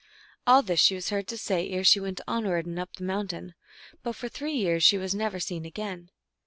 All this she was heard to say ere she went onward and up the mountain, but for three years she was never seen again.